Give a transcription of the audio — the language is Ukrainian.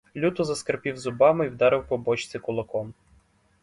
Люто заскрипів зубами і вдарив по бочці кулаком.